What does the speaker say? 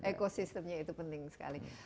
eko sistemnya itu penting sekali